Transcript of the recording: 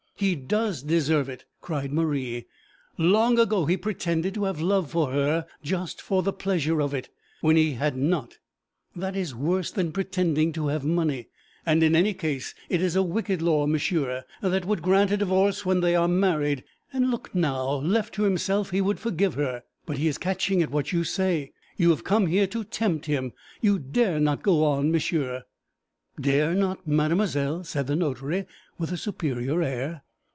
'He does deserve it,' cried Marie. 'Long ago he pretended to have love for her, just for the pleasure of it, when he had not that is worse than pretending to have money! And in any case, it is a wicked law, monsieur, that would grant a divorce when they are married, and look now left to himself he will forgive her, but he is catching at what you say. You have come here to tempt him! You dare not go on, monsieur!' 'Dare not, mademoiselle?' said the notary, with a superior air.